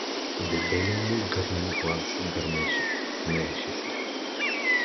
Дебелият му гърлест глас гърмеше, смееше се.